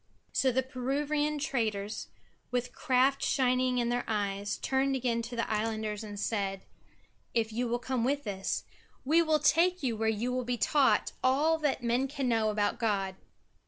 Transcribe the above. So the Peruvian traders, with craft shining in their eyes, turned again to the islanders and said: "If you will come with us, we will take you where you will be taught all that men can know about God."